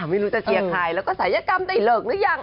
ไม่รู้จะเชียร์ใครแล้วก็ศัยกรรมได้เลิกหรือยัง